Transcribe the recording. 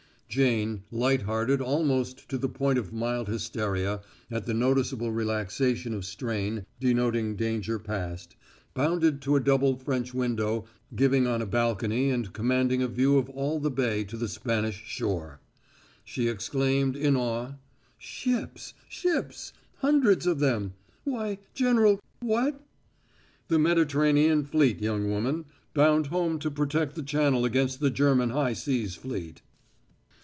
Jane, light hearted almost to the point of mild hysteria at the noticeable relaxation of strain denoting danger passed, bounded to a double French window giving on a balcony and commanding a view of all the bay to the Spanish shore. She exclaimed, in awe: "Ships ships! Hundreds of them! Why, General, what " "The Mediterranean fleet, young woman, bound home to protect the Channel against the German high seas fleet."